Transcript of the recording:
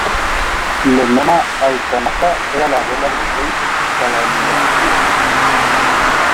Lonomaʻaikanaka era la abuela del rey Kalaniʻōpuʻu.